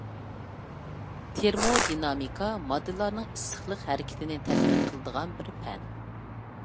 تېرمودىنامىكا — ماددىلارنىڭ ئىسسىقلىق ھەرىكىتىنى تەتقىق قىلىدىغان بىر پەن.